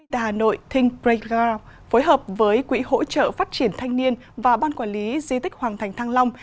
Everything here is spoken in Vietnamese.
đà nội think breakground phối hợp với quỹ hỗ trợ phát triển thanh niên và ban quản lý di tích hoàng thành thăng long